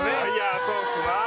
そうっすな。